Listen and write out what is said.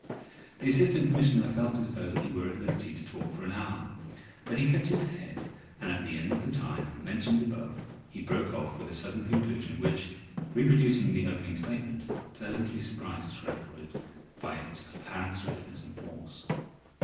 The Assistant Commissioner felt as though he were at liberty to talk for an hour. But he kept his head, and at the end of the time mentioned above he broke off with a sudden conclusion, which, reproducing the opening statement, pleasantly surprised Sir Ethelred by its apparent swiftness and force.